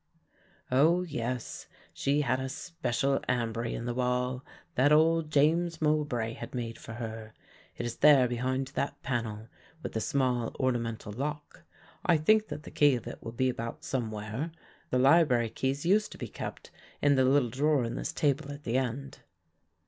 "Oh, yes, she had a special ambry in the wall, that old James Mowbray had made for her. It is there behind that panel, with the small ornamental lock. I think that the key of it will be about somewhere. The library keys used to be kept in the little drawer in this table at the end."